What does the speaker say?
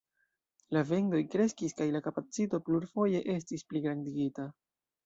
La vendoj kreskis kaj la kapacito plurfoje estis pligrandigita.